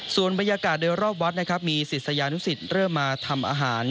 ส่วนบรรยากาศโดยรอบวัดนะครับมีศิษยานุสิตเริ่มมาทำอาหาร